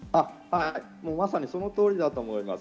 まさにその通りだと思います。